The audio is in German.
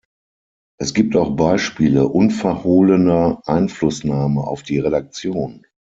Es gibt auch Beispiele unverhohlener Einflussnahme auf die Redaktion.